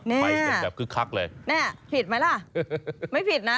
นี่นี่ผิดมั้ยล่ะไม่ผิดนะ